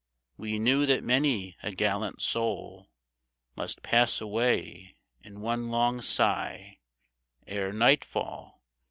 " We knew that many a gallant soul Must pass away in one long sigh, Ere nightfall.